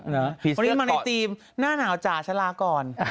วันนี้มาในธีมหน้าหนาวจ่าชะลาก่อน